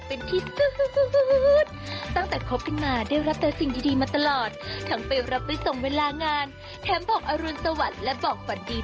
โปรดติดตามต่อไป